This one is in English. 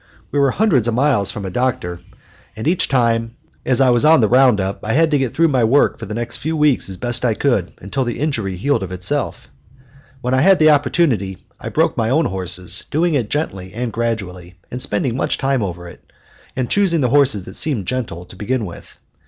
We were hundreds of miles from a doctor, and each time, as I was on the round up, I had to get through my work for the next few weeks as best I could, until the injury healed of itself. When I had the opportunity I broke my own horses, doing it gently and gradually and spending much time over it, and choosing the horses that seemed gentle to begin with.